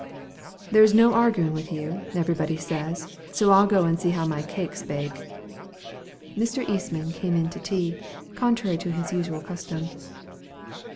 "There is no arguing with you, everybody says; so I'll go and see how my cakes bake." Mr. Eastmam came in to tea, contrary to his usual custom.